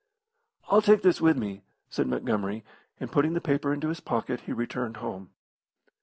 "I'll take this with me," said Montgomery; and putting the paper into his pocket he returned home.